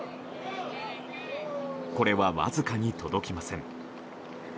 これはわずかに届きません。